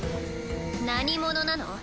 何者なの？